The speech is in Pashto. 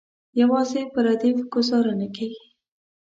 یوازې په ردیف ګوزاره نه کیږي.